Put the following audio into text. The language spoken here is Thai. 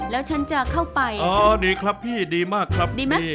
แล้วฉันจะเข้าไปคืออ๋อได้ครับพี่ดีมากครับพี่